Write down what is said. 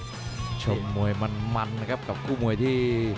ชมมวยมันนะครับกับคู่มวยที่